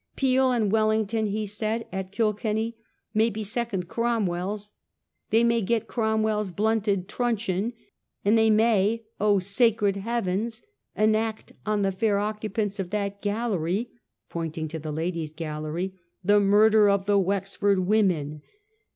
' Peel and Wellington,' he said at Kilkenny, ' may be second Cromwells ; they may get Cromwell's blunted truncheon, and they may — oh, sacred heavens !— enact on the fair occupants of that gallery ' (pointing to the ladies' gallery), ' the mur der of the Wexford women.